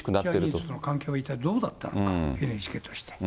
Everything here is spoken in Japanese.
ジャニーズとの関係は一体どうだったのか、ＮＨＫとしては。